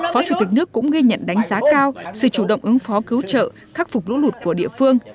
phó chủ tịch nước cũng ghi nhận đánh giá cao sự chủ động ứng phó cứu trợ khắc phục lũ lụt của địa phương